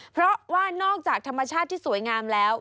เพราะว่านอกจากธรรมชาติที่สวยงามแล้ว